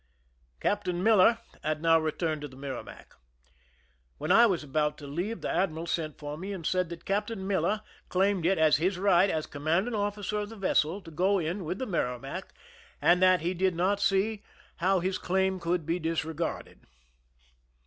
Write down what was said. Captain Miller had now returned to the Merrimac. When I was about to leave, the admiral sent for me and said that Captain Miller claimed it as his right as commanding officer of the vessel to go in with the Merrimac, and that he did not see how his 43 THE SINKING OF THE "MEREIMAC" claim could be disregarded.